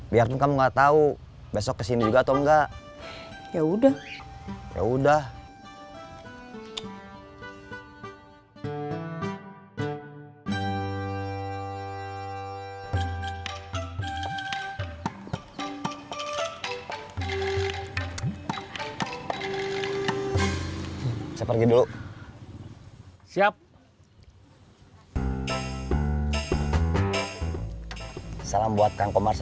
biarkan kamu nggak tahu besok kesini juga atau nggak